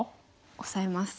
オサえますね。